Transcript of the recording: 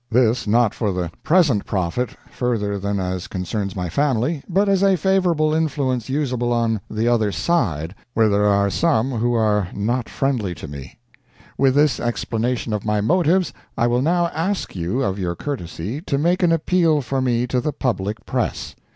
This, not for the present profit, further than as concerns my family, but as a favorable influence usable on the Other Side, where there are some who are not friendly to me. With this explanation of my motives, I will now ask you of your courtesy to make an appeal for me to the public press.